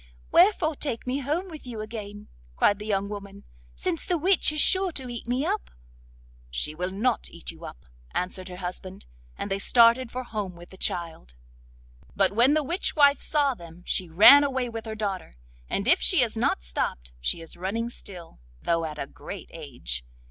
wherefore take me home with you again,' cried the young woman, 'since the witch is sure to eat me up?' 'She will not eat you up,' answered her husband; and they started for home with the child. But when the witch wife saw them she ran away with her daughter, and if she has not stopped she is running still, though at a great age.